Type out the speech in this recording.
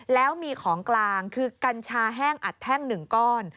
แล้วมีของกลางคือกัญชาแห้งอัดแท่ง๑ก้อน